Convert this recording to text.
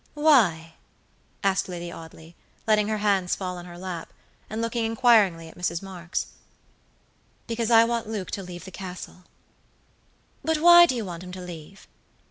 "Why?" asked Lady Audley, letting her hands fall on her lap, and looking inquiringly at Mrs. Marks. "Because I want Luke to leave the Castle." "But why do you want him to leave?"